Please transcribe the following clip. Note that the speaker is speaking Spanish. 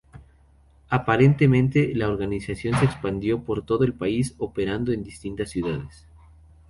Aparentemente la organización se expandió por todo el país operando en distintas ciudades.